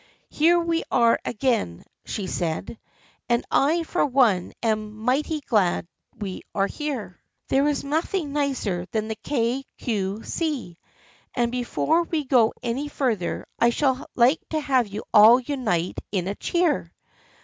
" Here we are again," she said, " and I for one am mighty glad we are here. There is nothing nicer than the Kay Cue See, and before we go any further I should like to have you all unite in a THE FRIENDSHIP OF ANNE 55 cheer.